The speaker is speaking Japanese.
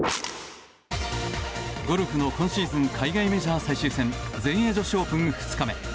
ゴルフの今シーズン海外メジャー最終戦全英女子オープン２日目。